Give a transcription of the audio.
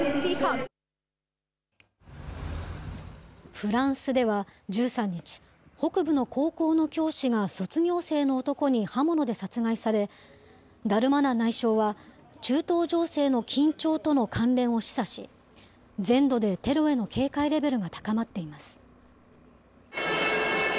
フランスでは、１３日、北部の高校の教師が卒業生の男に刃物で殺害され、ダルマナン内相は、中東情勢の緊張との関連を示唆し、全土でテロへの警戒レベルが高まっています。